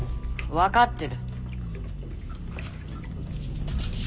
分かってる。